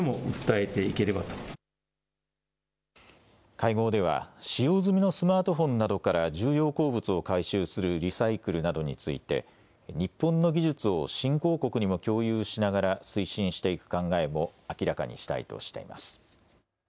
会合では使用済みのスマートフォンなどから重要鉱物を回収するリサイクルなどについて日本の技術を新興国にも共有しながら推進していく考えも明らかにしたいとしています。